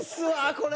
これ。